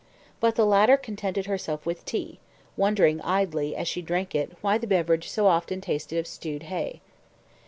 But the latter contented herself with tea, wondering idly, as she drank it, why the beverage so often tasted of stewed hay.